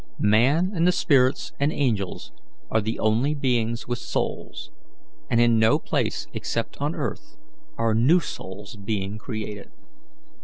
Man and the spirits and angels are the only beings with souls, and in no place except on earth are new souls being created.